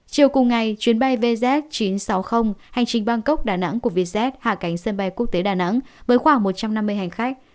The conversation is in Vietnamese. chiều cùng ngày chuyến bay vz chín trăm sáu mươi hành trình bangkok đà nẵng của vietjet hạ cánh sân bay quốc tế đà nẵng với khoảng một trăm năm mươi hành khách